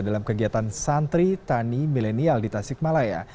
dalam kegiatan santri tani milenial di tasikmalaya